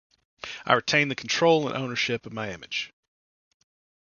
I retained the control and ownership of my image.